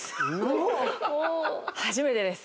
初めてです。